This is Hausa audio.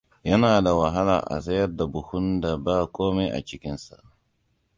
Yana da wahala a tsayar da buhun da ba komai a cikinsa.